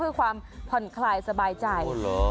เพื่อความผ่อนคลายสบายใจ